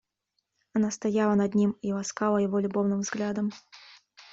Она стояла над ним и ласкала его любовным взглядом.